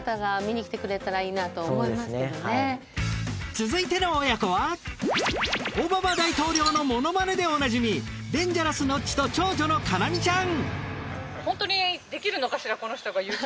続いての親子はオバマ大統領のものまねでおなじみデンジャラスノッチと長女の叶望ちゃん。